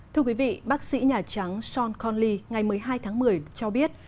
thưa quý vị bác sĩ nhà trắng sean conley ngày một mươi hai tháng một mươi cho biết